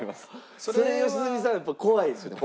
それ良純さんやっぱ怖いですよね？